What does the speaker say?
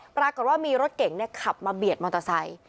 ปรากฏว่ามีรถเก๋งขับมาเบียดมอเตอร์ไซค์